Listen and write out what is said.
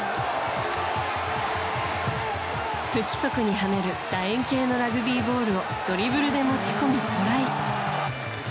不規則に跳ねる楕円形のラグビーボールをドリブルで持ち込みトライ。